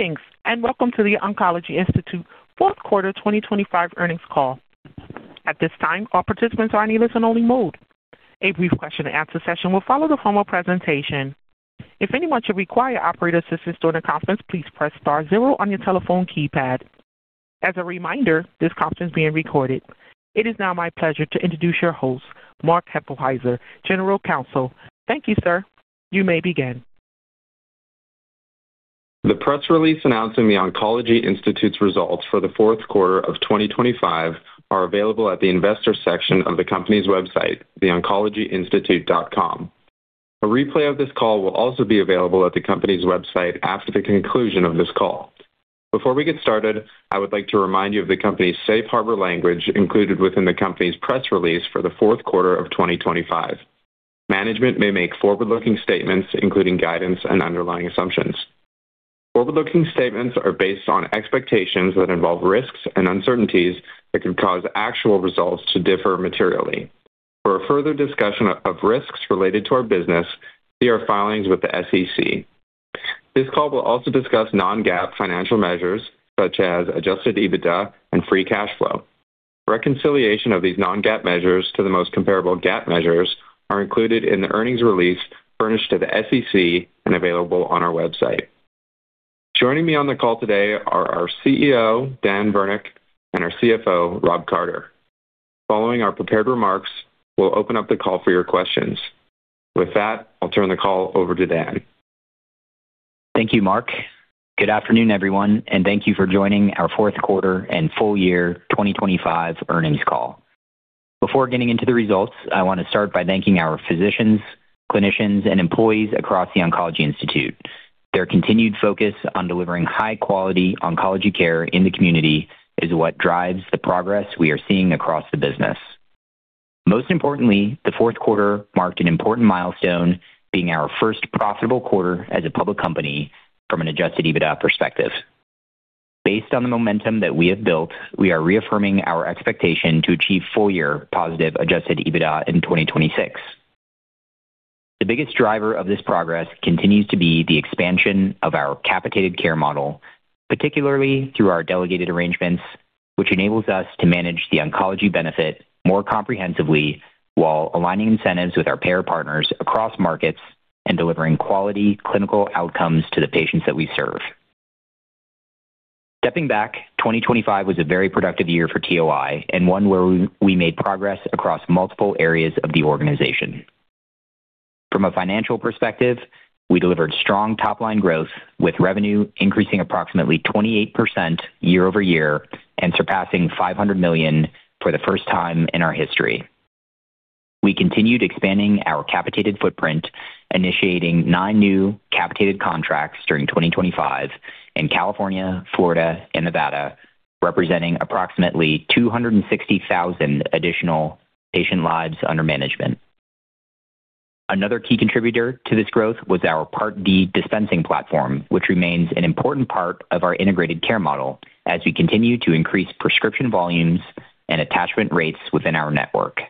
Greetings, and welcome to The Oncology Institute Fourth Quarter 2025 Earnings Call. At this time, all participants are in a listen-only mode. A brief question-and-answer session will follow the formal presentation. If anyone should require operator assistance during the conference, please press star zero on your telephone keypad. As a reminder, this conference is being recorded. It is now my pleasure to introduce your host, Mark Hueppelsheuser, General Counsel. Thank you, sir. You may begin. The press release announcing The Oncology Institute's results for the fourth quarter of 2025 is available at the investor section of the company's website, theoncologyinstitute.com. A replay of this call will also be available at the company's website after the conclusion of this call. Before we get started, I would like to remind you of the company's Safe Harbor language included within the company's press release for the fourth quarter of 2025. Management may make forward-looking statements, including guidance and underlying assumptions. Forward-looking statements are based on expectations that involve risks and uncertainties that could cause actual results to differ materially. For a further discussion of risks related to our business, see our filings with the SEC. This call will also discuss non-GAAP financial measures such as adjusted EBITDA and free cash flow. Reconciliation of these non-GAAP measures to the most comparable GAAP measures are included in the earnings release furnished to the SEC and available on our website. Joining me on the call today are our CEO, Daniel Virnich, and our CFO, Rob Carter. Following our prepared remarks, we'll open up the call for your questions. With that, I'll turn the call over to Dan. Thank you, Mark. Good afternoon, everyone, and thank you for joining our fourth quarter and full year 2025 earnings call. Before getting into the results, I want to start by thanking our physicians, clinicians, and employees across The Oncology Institute. Their continued focus on delivering high-quality oncology care in the community is what drives the progress we are seeing across the business. Most importantly, the fourth quarter marked an important milestone, being our first profitable quarter as a public company from an adjusted EBITDA perspective. Based on the momentum that we have built, we are reaffirming our expectation to achieve full-year positive adjusted EBITDA in 2026. The biggest driver of this progress continues to be the expansion of our capitated care model, particularly through our delegated arrangements, which enables us to manage the oncology benefit more comprehensively while aligning incentives with our payer partners across markets and delivering quality clinical outcomes to the patients that we serve. Stepping back, 2025 was a very productive year for TOI and one where we made progress across multiple areas of the organization. From a financial perspective, we delivered strong top-line growth, with revenue increasing approximately 28% year-over-year and surpassing $500 million for the first time in our history. We continued expanding our capitated footprint, initiating 9 new capitated contracts during 2025 in California, Florida, and Nevada, representing approximately 260,000 additional patient lives under management. Another key contributor to this growth was our Part D dispensing platform, which remains an important part of our integrated care model as we continue to increase prescription volumes and attachment rates within our network.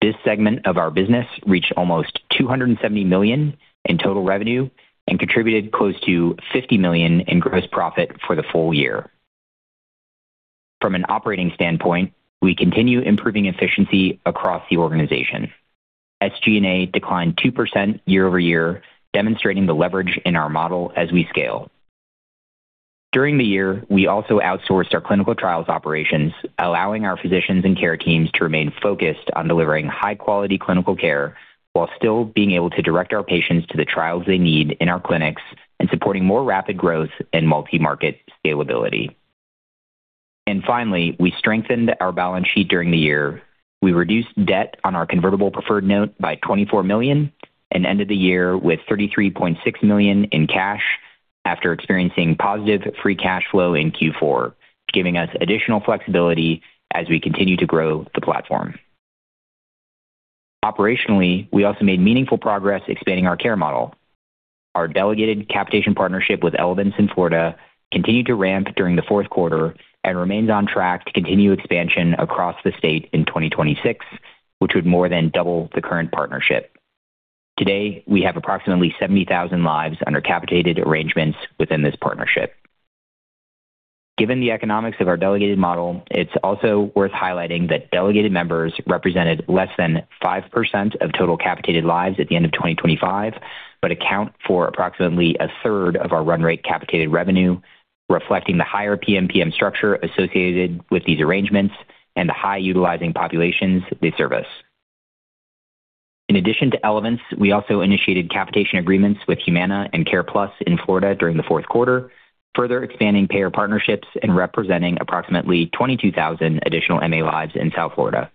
This segment of our business reached almost $270 million in total revenue and contributed close to $50 million in gross profit for the full year. From an operating standpoint, we continue improving efficiency across the organization. SG&A declined 2% year-over-year, demonstrating the leverage in our model as we scale. During the year, we also outsourced our clinical trials operations, allowing our physicians and care teams to remain focused on delivering high-quality clinical care while still being able to direct our patients to the trials they need in our clinics and supporting more rapid growth and multi-market scalability. Finally, we strengthened our balance sheet during the year. We reduced debt on our convertible preferred note by $24 million and ended the year with $33.6 million in cash after experiencing positive free cash flow in Q4, giving us additional flexibility as we continue to grow the platform. Operationally, we also made meaningful progress expanding our care model. Our delegated capitation partnership with Elevance Health in Florida continued to ramp during the fourth quarter and remains on track to continue expansion across the state in 2026, which would more than double the current partnership. Today, we have approximately 70,000 lives under capitated arrangements within this partnership. Given the economics of our delegated model, it's also worth highlighting that delegated members represented less than 5% of total capitated lives at the end of 2025 but account for approximately a third of our run rate capitated revenue, reflecting the higher PMPM structure associated with these arrangements and the high-utilizing populations they service. In addition to Elevance, we also initiated capitation agreements with Humana and CarePlus in Florida during the fourth quarter, further expanding payer partnerships and representing approximately 22,000 additional MA lives in South Florida.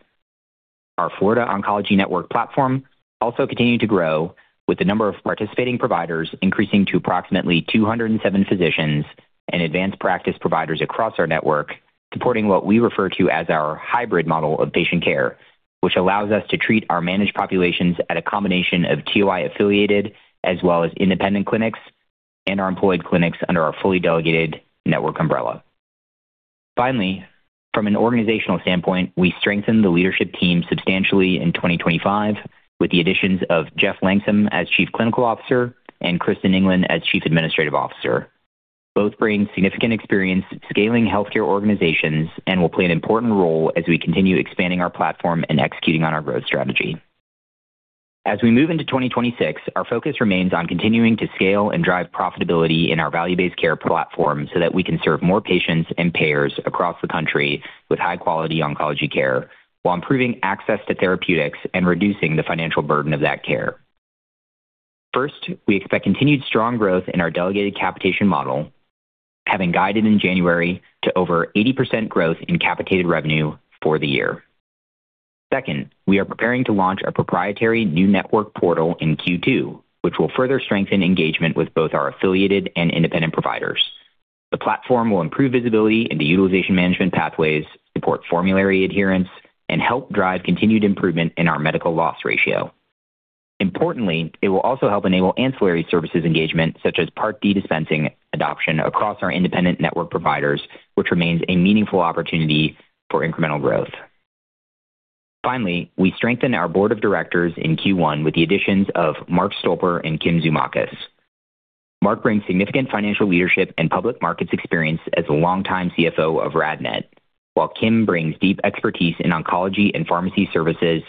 Our Florida Oncology Network platform also continued to grow, with the number of participating providers increasing to approximately 207 physicians and advanced practice providers across our network, supporting what we refer to as our hybrid model of patient care, which allows us to treat our managed populations at a combination of TOI-affiliated as well as independent clinics and our employed clinics under our fully delegated network umbrella. Finally, from an organizational standpoint, we strengthened the leadership team substantially in 2025 with the additions of Jeff Langsam as Chief Clinical Officer and Kristin England as Chief Administrative Officer. Both bring significant experience scaling healthcare organizations and will play an important role as we continue expanding our platform and executing on our growth strategy. As we move into 2026, our focus remains on continuing to scale and drive profitability in our value-based care platform so that we can serve more patients and payers across the country with high quality oncology care while improving access to therapeutics and reducing the financial burden of that care. First, we expect continued strong growth in our delegated capitation model, having guided in January to over 80% growth in capitated revenue for the year. Second, we are preparing to launch our proprietary new network portal in Q2, which will further strengthen engagement with both our affiliated and independent providers. The platform will improve visibility into utilization management pathways, support formulary adherence, and help drive continued improvement in our medical loss ratio. Importantly, it will also help enable ancillary services engagement such as Part D dispensing adoption across our independent network providers, which remains a meaningful opportunity for incremental growth. Finally, we strengthened our board of directors in Q1 with the additions of Mark Stolper and Kim Tzoumakas. Mark brings significant financial leadership and public markets experience as a longtime CFO of RadNet, while Kim brings deep expertise in oncology and pharmacy services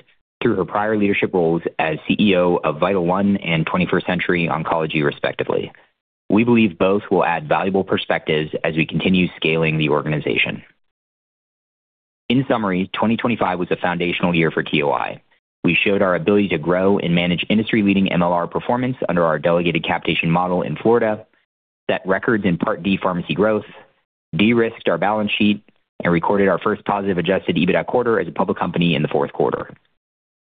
through her prior leadership roles as CEO of VytlOne and 21st Century Oncology, respectively. We believe both will add valuable perspectives as we continue scaling the organization. In summary, 2025 was a foundational year for TOI. We showed our ability to grow and manage industry-leading MLR performance under our delegated capitation model in Florida, set records in Part D pharmacy growth, de-risked our balance sheet, and recorded our first positive adjusted EBITDA quarter as a public company in the fourth quarter.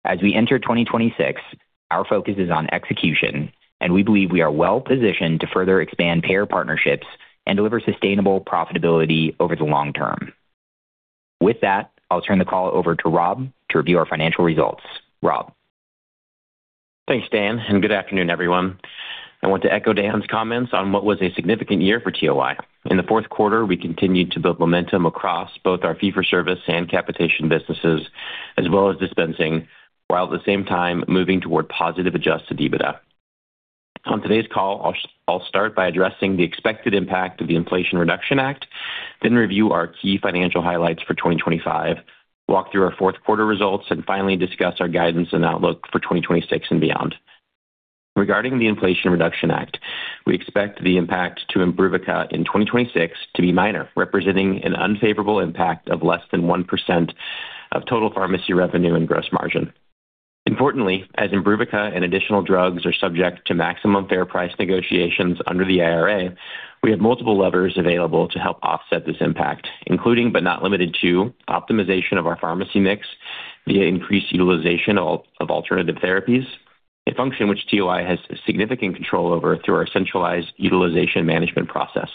As we enter 2026, our focus is on execution, and we believe we are well-positioned to further expand payer partnerships and deliver sustainable profitability over the long term. With that, I'll turn the call over to Rob to review our financial results. Rob? Thanks, Dan, and good afternoon, everyone. I want to echo Dan's comments on what was a significant year for TOI. In the fourth quarter, we continued to build momentum across both our fee-for-service and capitation businesses, as well as dispensing, while at the same time moving toward positive adjusted EBITDA. On today's call, I'll start by addressing the expected impact of the Inflation Reduction Act, then review our key financial highlights for 2025, walk through our fourth quarter results, and finally discuss our guidance and outlook for 2026 and beyond. Regarding the Inflation Reduction Act, we expect the impact to IMBRUVICA in 2026 to be minor, representing an unfavorable impact of less than 1% of total pharmacy revenue and gross margin. Importantly, as IMBRUVICA and additional drugs are subject to maximum fair price negotiations under the IRA, we have multiple levers available to help offset this impact, including, but not limited to optimization of our pharmacy mix via increased utilization of alternative therapies, a function which TOI has significant control over through our centralized utilization management process.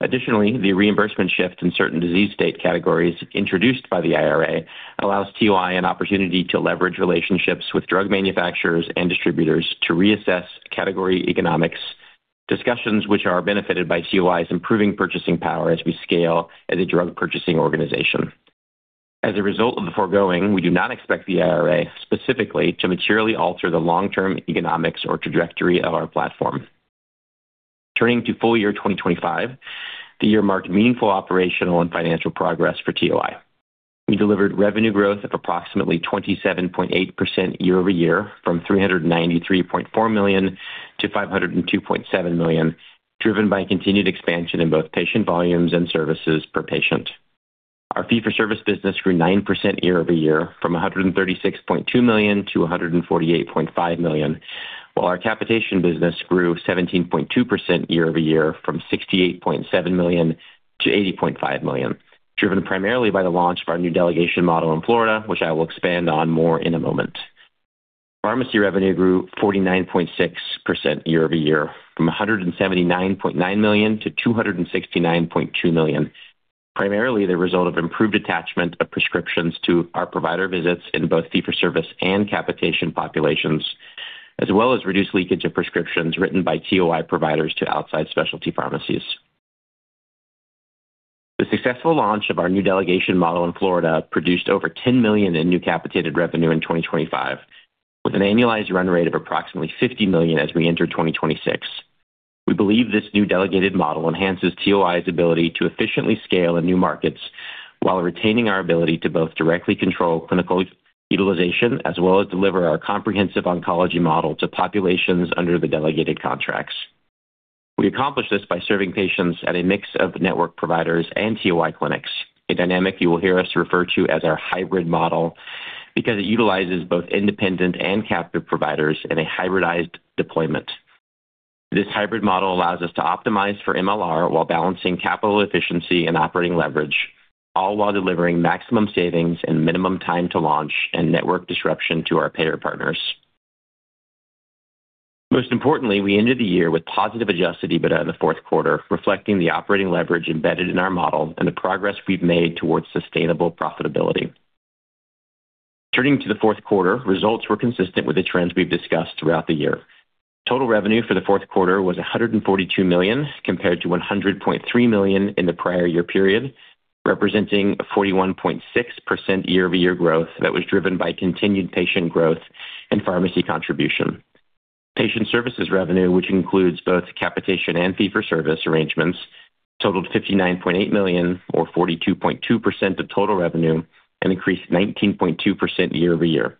Additionally, the reimbursement shift in certain disease state categories introduced by the IRA allows TOI an opportunity to leverage relationships with drug manufacturers and distributors to reassess category economics, discussions which are benefited by TOI's improving purchasing power as we scale as a drug purchasing organization. As a result of the foregoing, we do not expect the IRA specifically to materially alter the long-term economics or trajectory of our platform. Turning to full year 2025, the year marked meaningful operational and financial progress for TOI. We delivered revenue growth of approximately 27.8% year-over-year from $393.4 million to $502.7 million, driven by continued expansion in both patient volumes and services per patient. Our fee-for-service business grew 9% year-over-year from $136.2 million to $148.5 million, while our capitation business grew 17.2% year-over-year from $68.7 million to $80.5 million, driven primarily by the launch of our new delegation model in Florida, which I will expand on more in a moment. Pharmacy revenue grew 49.6% year-over-year from $179.9 million to $269.2 million, primarily the result of improved attachment of prescriptions to our provider visits in both fee-for-service and capitation populations, as well as reduced leakage of prescriptions written by TOI providers to outside specialty pharmacies. The successful launch of our new delegation model in Florida produced over $10 million in new capitated revenue in 2025, with an annualized run rate of approximately $50 million as we enter 2026. We believe this new delegated model enhances TOI's ability to efficiently scale in new markets while retaining our ability to both directly control clinical utilization as well as deliver our comprehensive oncology model to populations under the delegated contracts. We accomplish this by serving patients at a mix of network providers and TOI clinics, a dynamic you will hear us refer to as our hybrid model because it utilizes both independent and captive providers in a hybridized deployment. This hybrid model allows us to optimize for MLR while balancing capital efficiency and operating leverage, all while delivering maximum savings and minimum time to launch and network disruption to our payer partners. Most importantly, we ended the year with positive adjusted EBITDA in the fourth quarter, reflecting the operating leverage embedded in our model and the progress we've made towards sustainable profitability. Turning to the fourth quarter, results were consistent with the trends we've discussed throughout the year. Total revenue for the fourth quarter was $142 million, compared to $100.3 million in the prior year period, representing a 41.6% year-over-year growth that was driven by continued patient growth and pharmacy contribution. Patient services revenue, which includes both capitation and fee for service arrangements, totaled $59.8 million or 42.2% of total revenue and increased 19.2% year-over-year.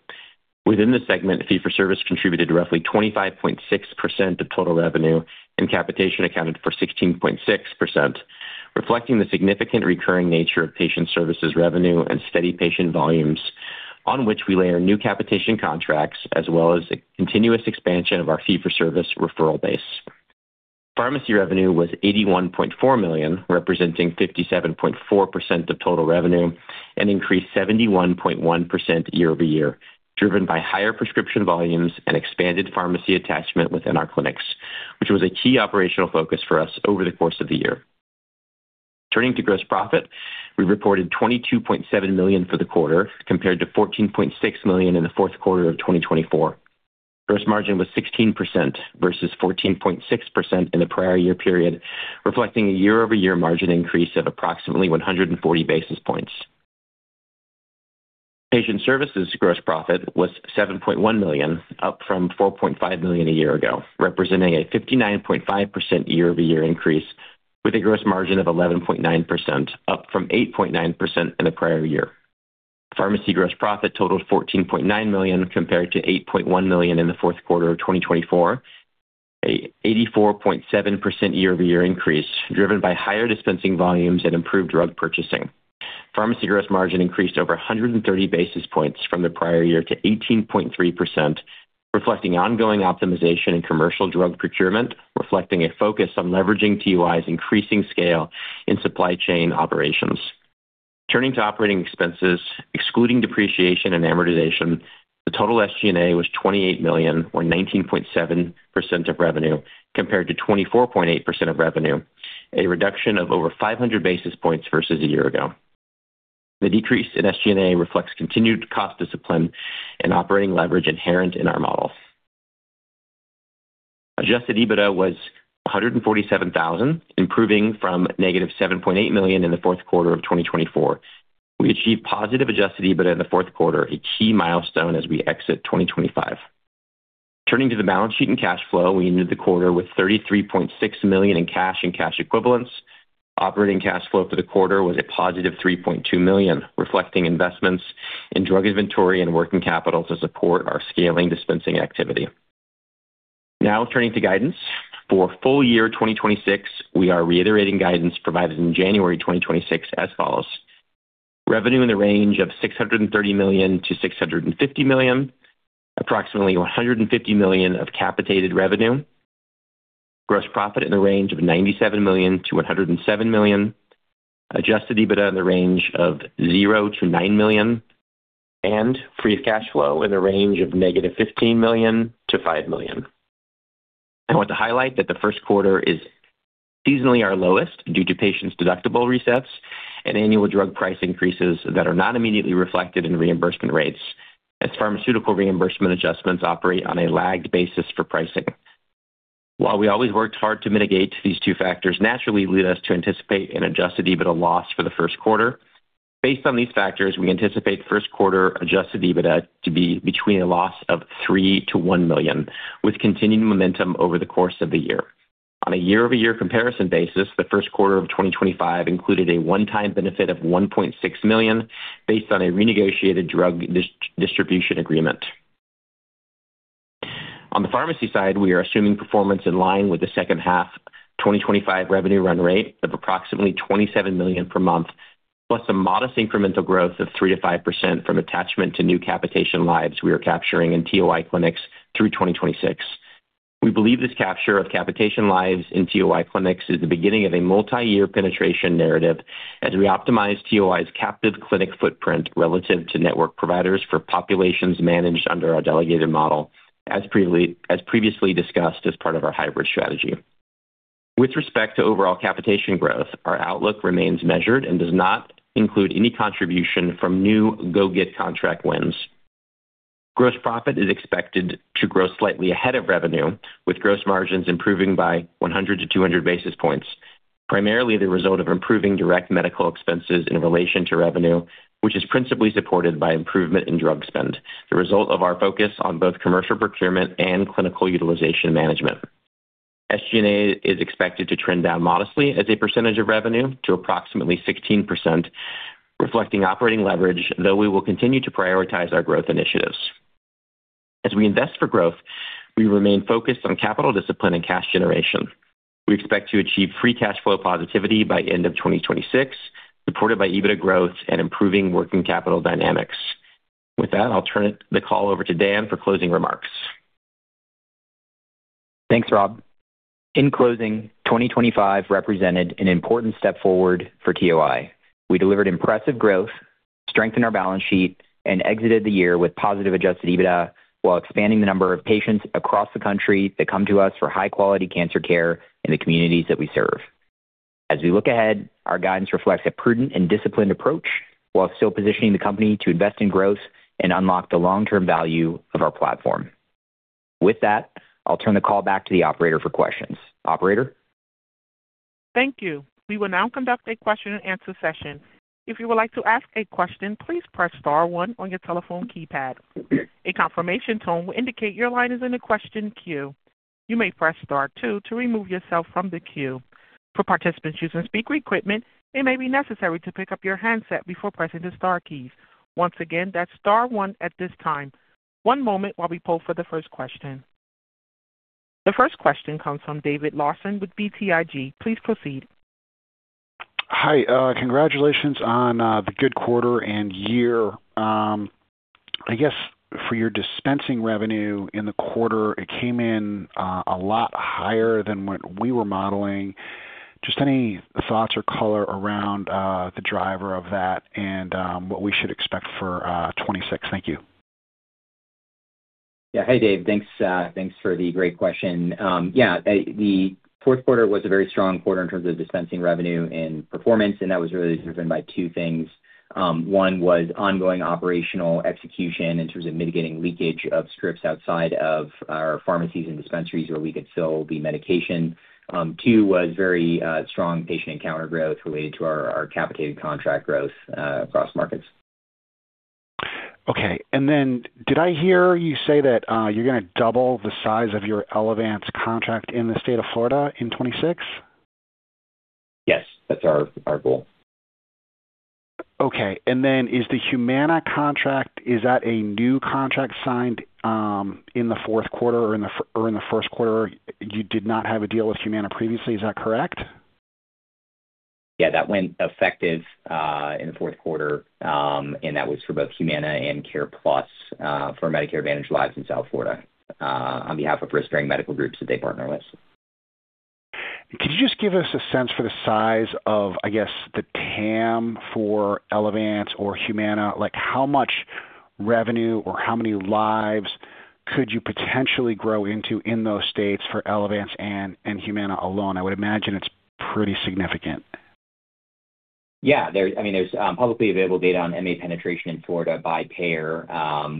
Within the segment, fee for service contributed roughly 25.6% of total revenue and capitation accounted for 16.6%, reflecting the significant recurring nature of patient services revenue and steady patient volumes on which we layer new capitation contracts as well as a continuous expansion of our fee for service referral base. Pharmacy revenue was $81.4 million, representing 57.4% of total revenue and increased 71.1% year-over-year, driven by higher prescription volumes and expanded pharmacy attachment within our clinics, which was a key operational focus for us over the course of the year. Turning to gross profit, we reported $22.7 million for the quarter compared to $14.6 million in the fourth quarter of 2024. Gross margin was 16% versus 14.6% in the prior year period, reflecting a year-over-year margin increase of approximately 140 basis points. Patient services gross profit was $7.1 million, up from $4.5 million a year ago, representing a 59.5% year-over-year increase with a gross margin of 11.9%, up from 8.9% in the prior year. Pharmacy gross profit totaled $14.9 million compared to $8.1 million in the fourth quarter of 2024, a 84.7% year-over-year increase driven by higher dispensing volumes and improved drug purchasing. Pharmacy gross margin increased over 130 basis points from the prior year to 18.3%, reflecting ongoing optimization in commercial drug procurement, reflecting a focus on leveraging TOI's increasing scale in supply chain operations. Turning to operating expenses, excluding depreciation and amortization, the total SG&A was $28 million or 19.7% of revenue compared to 24.8% of revenue, a reduction of over 500 basis points versus a year ago. The decrease in SG&A reflects continued cost discipline and operating leverage inherent in our models. Adjusted EBITDA was $147,000, improving from -$7.8 million in the fourth quarter of 2024. We achieved positive adjusted EBITDA in the fourth quarter, a key milestone as we exit 2025. Turning to the balance sheet and cash flow, we ended the quarter with $33.6 million in cash and cash equivalents. Operating cash flow for the quarter was a positive $3.2 million, reflecting investments in drug inventory and working capital to support our scaling dispensing activity. Now turning to guidance. For full year 2026, we are reiterating guidance provided in January 2026 as follows. Revenue in the range of $630 million-$650 million. Approximately $150 million of capitated revenue. Gross profit in the range of $97 million-$107 million. Adjusted EBITDA in the range of $0-$9 million, and free cash flow in the range of -$15 million-$5 million. I want to highlight that the first quarter is seasonally our lowest due to patients' deductible resets and annual drug price increases that are not immediately reflected in reimbursement rates as pharmaceutical reimbursement adjustments operate on a lagged basis for pricing. While we always worked hard to mitigate, these two factors naturally lead us to anticipate an adjusted EBITDA loss for the first quarter. Based on these factors, we anticipate first quarter adjusted EBITDA to be between a loss of $3-$1 million with continuing momentum over the course of the year. On a year-over-year comparison basis, the first quarter of 2025 included a one-time benefit of $1.6 million based on a renegotiated drug distribution agreement. On the pharmacy side, we are assuming performance in line with the second half 2025 revenue run rate of approximately $27 million per month, plus a modest incremental growth of 3%-5% from attachment to new capitation lives we are capturing in TOI clinics through 2026. We believe this capture of capitation lives in TOI clinics is the beginning of a multi-year penetration narrative as we optimize TOI's captive clinic footprint relative to network providers for populations managed under our delegated model as previously discussed as part of our hybrid strategy. With respect to overall capitation growth, our outlook remains measured and does not include any contribution from new GoGet contract wins. Gross profit is expected to grow slightly ahead of revenue, with gross margins improving by 100-200 basis points, primarily the result of improving direct medical expenses in relation to revenue, which is principally supported by improvement in drug spend, the result of our focus on both commercial procurement and clinical utilization management. SG&A is expected to trend down modestly as a percentage of revenue to approximately 16%, reflecting operating leverage, though we will continue to prioritize our growth initiatives. As we invest for growth, we remain focused on capital discipline and cash generation. We expect to achieve free cash flow positivity by end of 2026, supported by EBITDA growth and improving working capital dynamics. With that, I'll turn the call over to Dan for closing remarks. Thanks, Rob. In closing, 2025 represented an important step forward for TOI. We delivered impressive growth, strengthened our balance sheet, and exited the year with positive adjusted EBITDA while expanding the number of patients across the country that come to us for high-quality cancer care in the communities that we serve. As we look ahead, our guidance reflects a prudent and disciplined approach while still positioning the company to invest in growth and unlock the long-term value of our platform. With that, I'll turn the call back to the operator for questions. Operator? Thank you. We will now conduct a question-and-answer session. If you would like to ask a question, please press star one on your telephone keypad. A confirmation tone will indicate your line is in the question queue. You may press star two to remove yourself from the queue. For participants using speaker equipment, it may be necessary to pick up your handset before pressing the star keys. Once again, that's star one at this time. One moment while we poll for the first question. The first question comes from David Larsen with BTIG. Please proceed. Hi, congratulations on the good quarter and year. I guess for your dispensing revenue in the quarter, it came in a lot higher than what we were modeling. Just any thoughts or color around the driver of that and what we should expect for 2026. Thank you. Yeah. Hey, Dave. Thanks for the great question. Yeah, the fourth quarter was a very strong quarter in terms of dispensing revenue and performance, and that was really driven by two things. One was ongoing operational execution in terms of mitigating leakage of scripts outside of our pharmacies and dispensaries where we could fill the medication. Two was very strong patient encounter growth related to our capitated contract growth across markets. Okay. Did I hear you say that you're going to double the size of your Elevance contract in the state of Florida in 2026? Yes. That's our goal. Okay. Is the Humana contract, is that a new contract signed in the fourth quarter or in the first quarter? You did not have a deal with Humana previously. Is that correct? Yeah. That went effective in the fourth quarter. That was for both Humana and CarePlus for Medicare Advantage lives in South Florida on behalf of risk-bearing medical groups that they partner with. Could you just give us a sense for the size of, I guess, the TAM for Elevance or Humana? Like, how much revenue or how many lives could you potentially grow into in those states for Elevance and Humana alone? I would imagine it's pretty significant. Yeah. I mean, there's publicly available data on MA penetration in Florida by payer,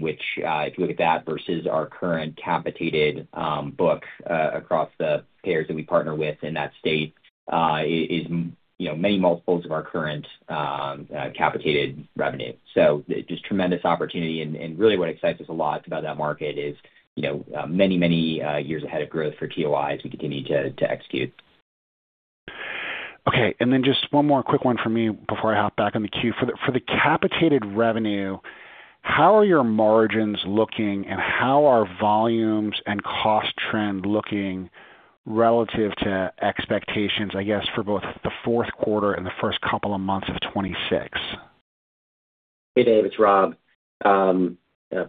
which, if you look at that versus our current capitated book across the payers that we partner with in that state, is, you know, many multiples of our current capitated revenue. Just tremendous opportunity. Really what excites us a lot about that market is, you know, many years ahead of growth for TOI as we continue to execute. Okay. Just one more quick one for me before I hop back on the queue. For the capitated revenue, how are your margins looking and how are volumes and cost trend looking relative to expectations, I guess, for both the fourth quarter and the first couple of months of 2026? Hey, Dave, it's Rob.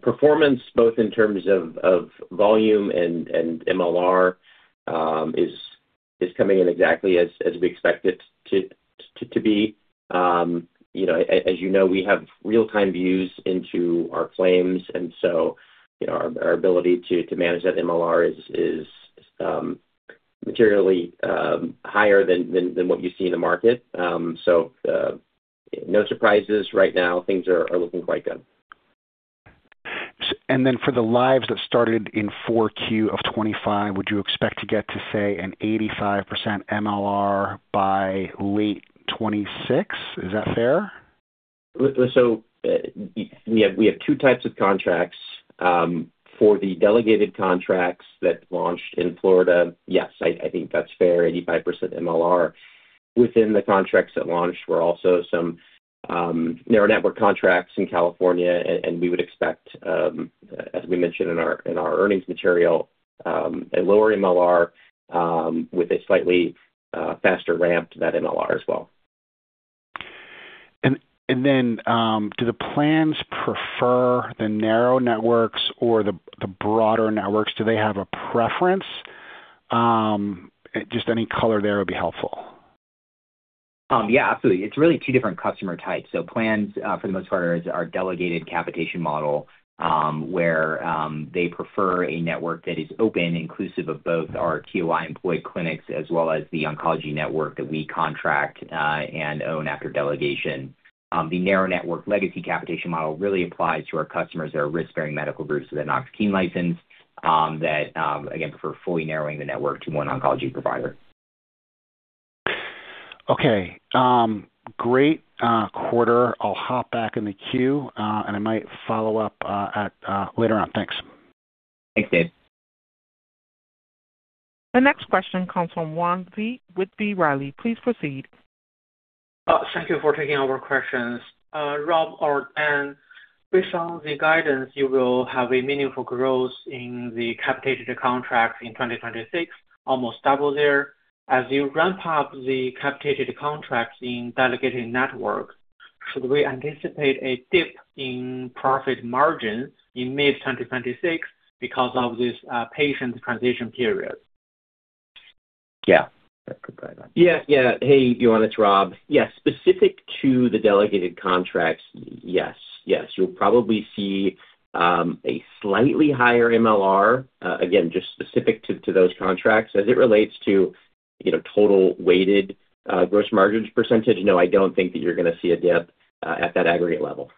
Performance both in terms of volume and MLR is coming in exactly as we expect it to be. You know, as you know, we have real-time views into our claims, and so, you know, our ability to manage that MLR is materially higher than what you see in the market. So, no surprises right now. Things are looking quite good. For the lives that started in Q4 of 2025, would you expect to get to, say, an 85% MLR by late 2026? Is that fair? We have two types of contracts. For the delegated contracts that launched in Florida, yes, I think that's fair, 85% MLR. Within the contracts that launched were also some narrow network contracts in California, and we would expect, as we mentioned in our earnings material, a lower MLR with a slightly faster ramp to that MLR as well. Do the plans prefer the narrow networks or the broader networks? Do they have a preference? Just any color there would be helpful. Yeah, absolutely. It's really two different customer types. Plans, for the most part, is our delegated capitation model, where they prefer a network that is open, inclusive of both our TOI employed clinics as well as the oncology network that we contract and own after delegation. The narrow network legacy capitation model really applies to our customers that are risk-bearing medical groups with a Knox-Keene license, that again prefer fully narrowing the network to one oncology provider. Okay. Great quarter. I'll hop back in the queue, and I might follow up at later on. Thanks. Thanks, Dave. The next question comes from Yuan Zhi with B. Riley. Please proceed. Thank you for taking our questions. Rob or Dan, based on the guidance, you will have a meaningful growth in the capitated contracts in 2026, almost double there. As you ramp up the capitated contracts in delegated networks, should we anticipate a dip in profit margins in mid-2026 because of this patient transition period? Yeah, that's a good question. Yeah. Hey, Yuan Zhi, it's Rob. Yes. Specific to the delegated contracts, yes. You'll probably see a slightly higher MLR, again, just specific to those contracts. As it relates to, you know, total weighted gross margins percentage, no, I don't think that you're going to see a dip at that aggregate level.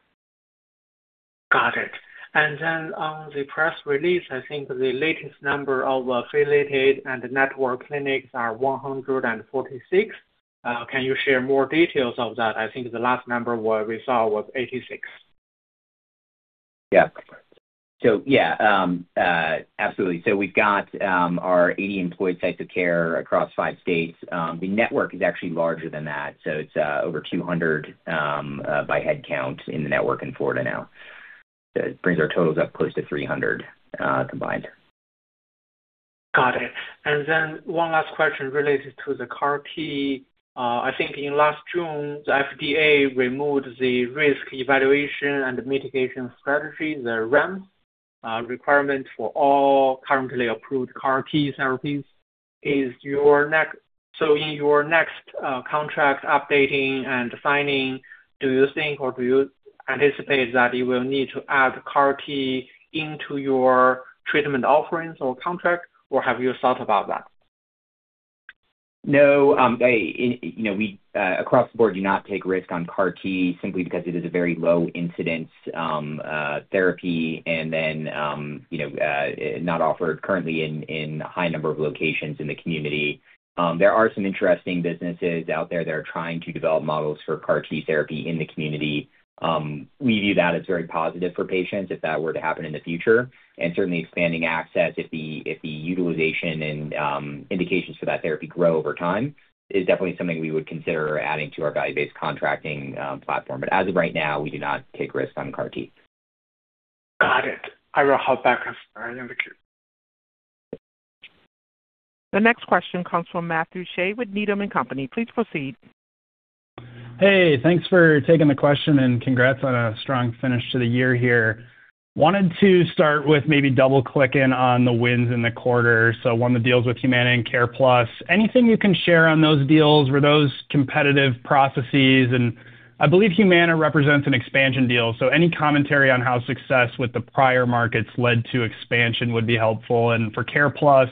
Got it. On the press release, I think the latest number of affiliated and network clinics are 146. Can you share more details of that? I think the last number we saw was 86. We've got our 80 employed types of care across five states. The network is actually larger than that. It's over 200 by head count in the network in Florida now. It brings our totals up close to 300 combined. Got it. One last question related to the CAR T. I think in last June, the FDA removed the Risk Evaluation and Mitigation Strategy, the REMS, requirement for all currently approved CAR T therapies. In your next contract updating and defining, do you think, or do you anticipate that you will need to add CAR T into your treatment offerings or contract, or have you thought about that? No, you know, we, across the board, do not take risk on CAR T simply because it is a very low incidence therapy and then, you know, not offered currently in high number of locations in the community. There are some interesting businesses out there that are trying to develop models for CAR T therapy in the community. We view that as very positive for patients if that were to happen in the future. Certainly expanding access if the utilization and indications for that therapy grow over time is definitely something we would consider adding to our value-based contracting platform. As of right now, we do not take risks on CAR T. Got it. I will hop back on another queue. The next question comes from Matthew Shea with Needham & Company. Please proceed. Hey, thanks for taking the question, and congrats on a strong finish to the year here. Wanted to start with maybe double-clicking on the wins in the quarter. Won the deals with Humana and CarePlus. Anything you can share on those deals? Were those competitive processes? I believe Humana represents an expansion deal. Any commentary on how success with the prior markets led to expansion would be helpful. For CarePlus,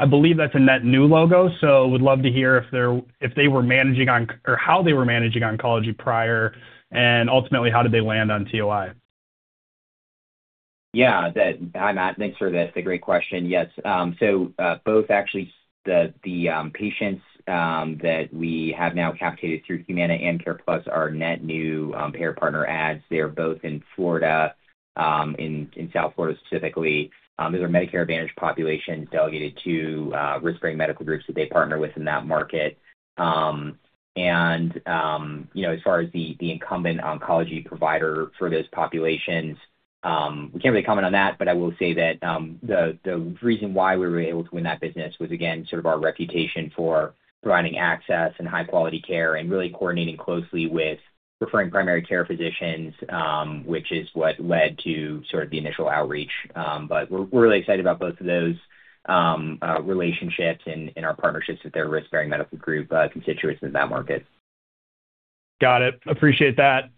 I believe that's a net new logo. Would love to hear how they were managing oncology prior, and ultimately, how did they land on TOI? Hi, Matt. Thanks for this. A great question. Yes. Both actually the patients that we have now capitated through Humana and CarePlus are net new payer partner adds. They're both in Florida, in South Florida specifically. These are Medicare Advantage populations delegated to risk-bearing medical groups that they partner with in that market. You know, as far as the incumbent oncology provider for those populations, we can't really comment on that, but I will say that the reason why we were able to win that business was, again, sort of our reputation for providing access and high-quality care and really coordinating closely with referring primary care physicians, which is what led to sort of the initial outreach. We're really excited about both of those relationships and our partnerships with their risk-bearing medical group constituents in that market. Got it. Appreciate that.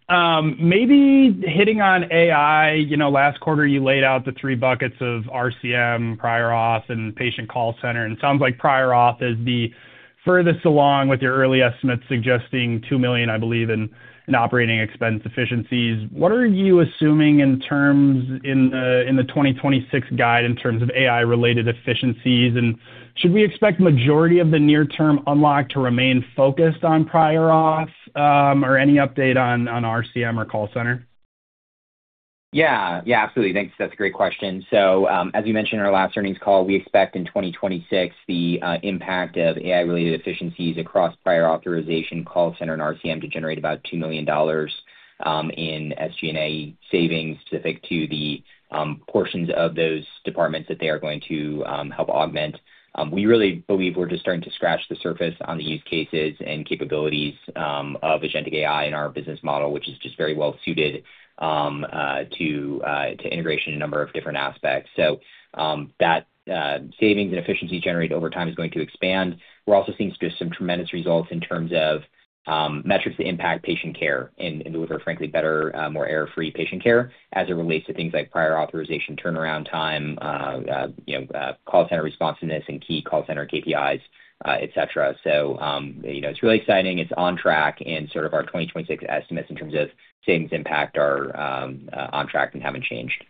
Maybe hitting on AI. You know, last quarter, you laid out the three buckets of RCM, prior authorization, and patient call center, and it sounds like prior authorization is the furthest along with your early estimates suggesting $2 million, I believe, in operating expense efficiencies. What are you assuming in the 2026 guide in terms of AI-related efficiencies, and should we expect majority of the near term unlock to remain focused on prior authorization, or any update on RCM or call center? Yeah. Yeah, absolutely. Thanks. That's a great question. As you mentioned in our last earnings call, we expect in 2026 the impact of AI-related efficiencies across prior authorization, call center, and RCM to generate about $2 million in SG&A savings specific to the portions of those departments that they are going to help augment. We really believe we're just starting to scratch the surface on the use cases and capabilities of agentic AI in our business model, which is just very well suited to integration in a number of different aspects. That savings and efficiency generated over time is going to expand. We're also seeing just some tremendous results in terms of metrics that impact patient care and deliver, frankly, better more error-free patient care as it relates to things like prior authorization turnaround time, you know, call center responsiveness and key call center KPIs, et cetera. It's really exciting. It's on track, and sort of our 2026 estimates in terms of savings impact are on track and haven't changed.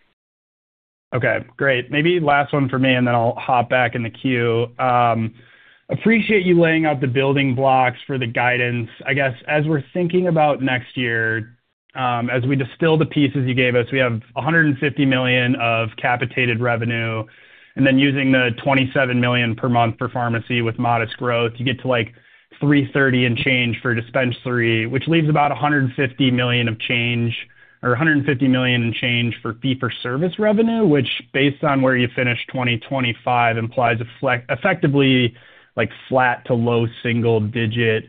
Okay, great. Maybe last one for me, and then I'll hop back in the queue. Appreciate you laying out the building blocks for the guidance. I guess as we're thinking about next year, as we distill the pieces you gave us, we have $150 million of capitated revenue, and then using the $27 million per month for pharmacy with modest growth, you get to, like, $330 and change for dispensary, which leaves about $150 million of change or $150 million in change for fee-for-service revenue, which based on where you finish 2025, implies effectively, like, flat to low single-digit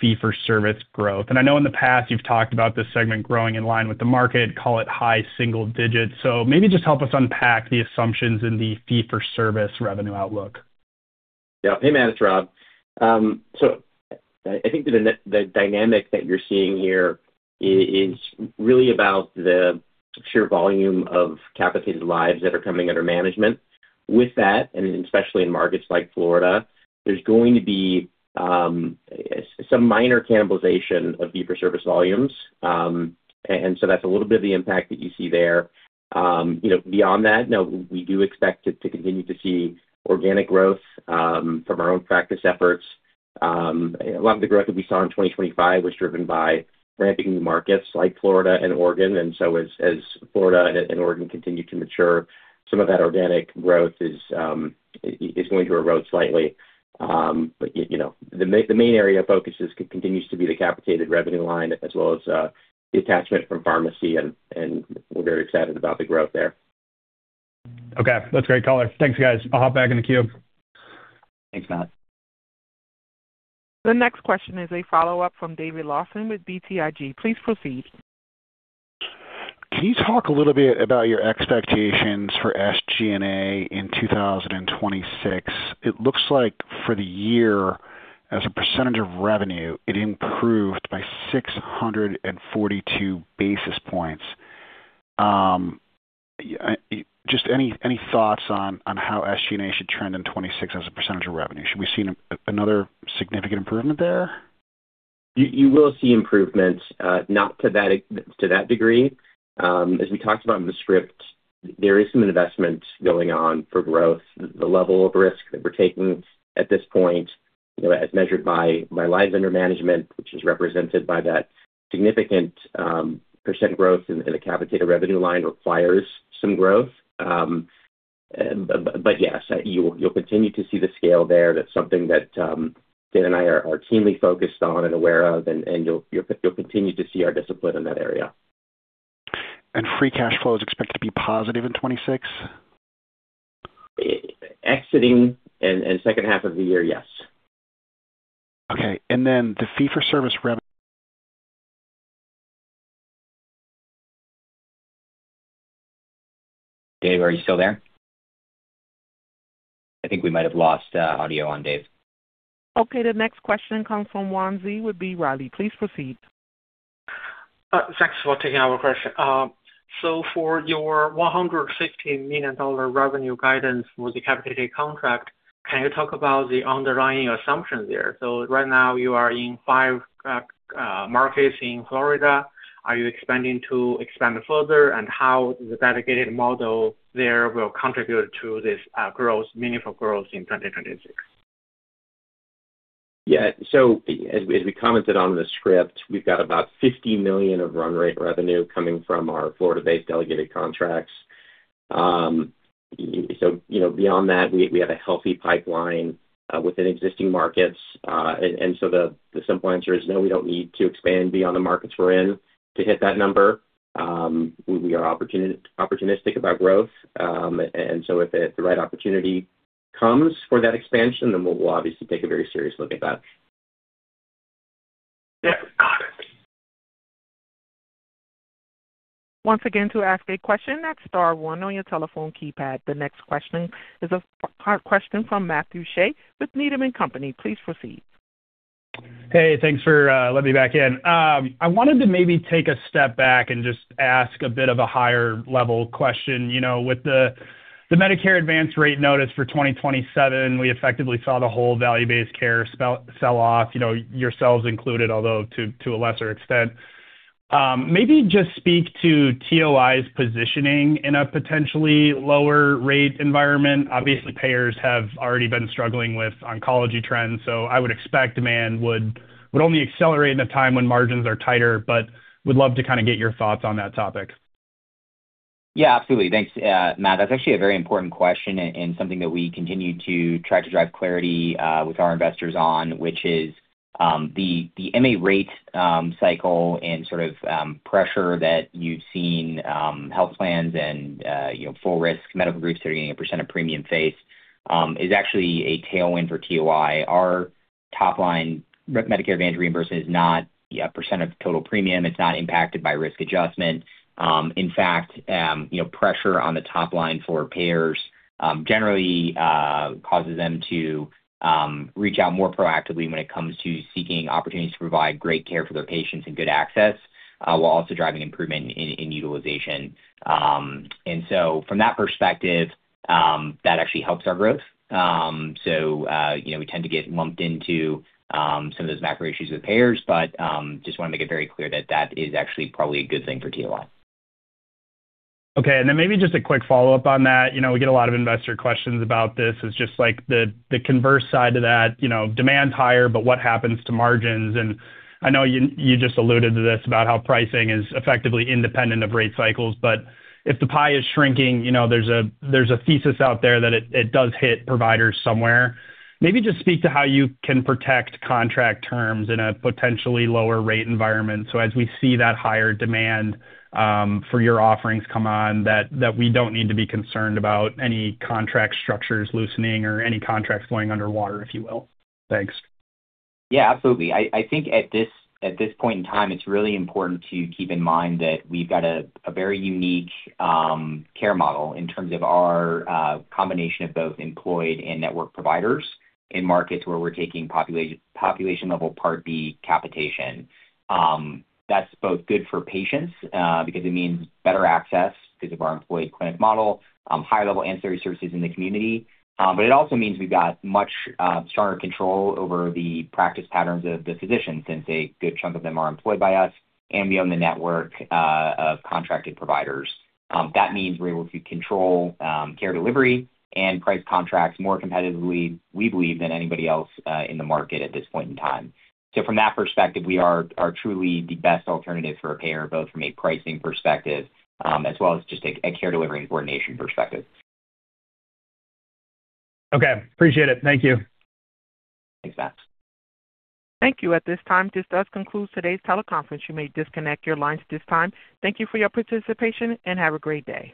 fee-for-service growth. I know in the past you've talked about this segment growing in line with the market, call it high single digits. Maybe just help us unpack the assumptions in the fee-for-service revenue outlook. Yeah. Hey, Matt. It's Rob. I think the dynamic that you're seeing here is really about the sheer volume of capitated lives that are coming under management. With that, especially in markets like Florida, there's going to be some minor cannibalization of fee-for-service volumes. That's a little bit of the impact that you see there. You know, beyond that, we do expect to continue to see organic growth from our own practice efforts. A lot of the growth that we saw in 2025 was driven by ramping new markets like Florida and Oregon. As Florida and Oregon continue to mature, some of that organic growth is going to erode slightly. You know, the main area of focus continues to be the capitated revenue line as well as the attachment from pharmacy and we're very excited about the growth there. Okay, that's great color. Thanks, guys. I'll hop back in the queue. Thanks, Matt. The next question is a follow-up from David Larsen with BTIG. Please proceed. Can you talk a little bit about your expectations for SG&A in 2026? It looks like for the year, as a percentage of revenue, it improved by 642 basis points. Just any thoughts on how SG&A should trend in 2026 as a percentage of revenue? Should we see another significant improvement there? You will see improvements, not to that degree. As we talked about in the script, there is some investment going on for growth. The level of risk that we're taking at this point, you know, as measured by lives under management, which is represented by that significant percent growth in the capitated revenue line, requires some growth. Yes, you'll continue to see the scale there. That's something that Dan and I are keenly focused on and aware of, and you'll continue to see our discipline in that area. Free cash flow is expected to be positive in 2026? Exciting and second half of the year, yes. Okay. The fee-for-service Dave, are you still there? I think we might have lost audio on Dave. Okay, the next question comes from Yuan Zhi with B. Riley. Please proceed. Thanks for taking our question. For your $115 million revenue guidance with the capitated contract, can you talk about the underlying assumption there? Right now you are in five markets in Florida. Are you expanding further? How the delegated model there will contribute to this growth, meaningful growth in 2026? Yeah. As we commented on the script, we've got about $50 million of run rate revenue coming from our Florida-based delegated contracts. You know, beyond that, we have a healthy pipeline within existing markets. The simple answer is no, we don't need to expand beyond the markets we're in to hit that number. We are opportunistic about growth. If the right opportunity comes for that expansion, then we'll obviously take a very serious look at that. Got it. Once again, to ask a question, that's star one on your telephone keypad. The next question is a question from Matthew Shea with Needham & Company. Please proceed. Hey, thanks for letting me back in. I wanted to maybe take a step back and just ask a bit of a higher level question. You know, with the Medicare Advantage rate notice for 2027, we effectively saw the whole value-based care sell off, you know, yourselves included, although to a lesser extent. Maybe just speak to TOI's positioning in a potentially lower rate environment. Obviously, payers have already been struggling with oncology trends, so I would expect demand would only accelerate in a time when margins are tighter. Would love to kinda get your thoughts on that topic. Yeah, absolutely. Thanks, Matt. That's actually a very important question and something that we continue to try to drive clarity with our investors on, which is the MA rate cycle and sort of pressure that you've seen health plans and you know full risk medical groups that are getting a percent of premium base is actually a tailwind for TOI. Our top line Medicare Advantage reimbursement is not a percent of total premium. It's not impacted by risk adjustment. In fact, you know, pressure on the top line for payers generally causes them to reach out more proactively when it comes to seeking opportunities to provide great care for their patients and good access while also driving improvement in utilization. From that perspective, that actually helps our growth. You know, we tend to get lumped into some of those macro issues with payers, but just wanna make it very clear that that is actually probably a good thing for TOI. Okay, maybe just a quick follow-up on that. You know, we get a lot of investor questions about this. It's just like the converse side to that, you know, demand's higher, but what happens to margins? I know you just alluded to this about how pricing is effectively independent of rate cycles, but if the pie is shrinking, you know, there's a thesis out there that it does hit providers somewhere. Maybe just speak to how you can protect contract terms in a potentially lower rate environment. As we see that higher demand for your offerings come on that we don't need to be concerned about any contract structures loosening or any contracts going underwater, if you will. Thanks. Yeah, absolutely. I think at this point in time, it's really important to keep in mind that we've got a very unique care model in terms of our combination of both employed and network providers in markets where we're taking population level Part D capitation. That's both good for patients because it means better access because of our employed clinic model, higher level ancillary services in the community. But it also means we've got much stronger control over the practice patterns of the physicians, since a good chunk of them are employed by us and in the network of contracted providers. That means we're able to control care delivery and price contracts more competitively, we believe, than anybody else in the market at this point in time. From that perspective, we are truly the best alternative for a payer, both from a pricing perspective, as well as just a care delivery and coordination perspective. Okay, appreciate it. Thank you. Thanks, Matt. Thank you. At this time, this does conclude today's teleconference. You may disconnect your lines at this time. Thank you for your participation, and have a great day.